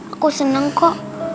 aku seneng kok